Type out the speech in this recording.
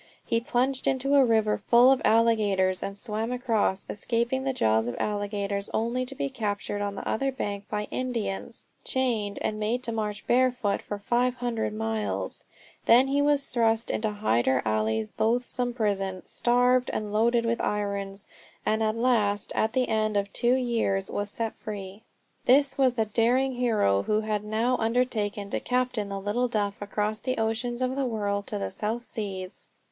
He plunged into a river full of alligators, and swam across, escaping the jaws of alligators only to be captured on the other bank by Indians, chained and made to march barefoot for 500 miles. Then he was thrust into Hyder Ali's loathsome prison, starved and loaded with irons, and at last at the end of two years was set free. This was the daring hero who had now undertaken to captain the little Duff across the oceans of the world to the South Seas.